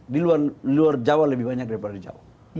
di luar jawa lebih banyak daripada di jawa